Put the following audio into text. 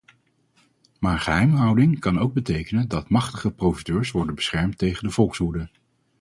Maar geheimhouding kan ook betekenen dat machtige profiteurs worden beschermd tegen de volkswoede.